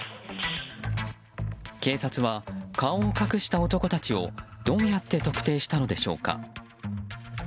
警察は、顔を隠した男たちをどうやって特定したのでしょうか。